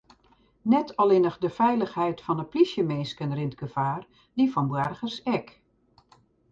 Net allinnich de feilichheid fan de plysjeminsken rint gefaar, dy fan boargers ek.